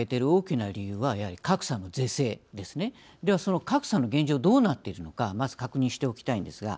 その格差の現状どうなっているのかまず確認しておきたいんですが。